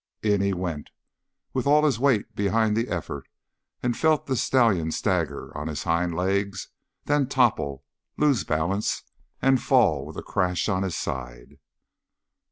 In he went, with all his weight behind the effort, and felt the stallion stagger on his hind legs, then topple, lose balance, and fall with a crash on his side!